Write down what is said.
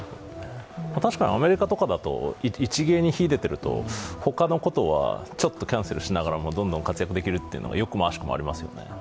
確かにアメリカとかだと、一芸に秀でていると他のことはちょっとキャンセルしながらどんどん活躍できることはありますよね。